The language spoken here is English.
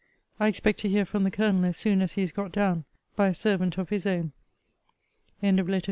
I expect to hear from the Colonel as soon as he is got down, by a servant of his own. LETTER XXII MR.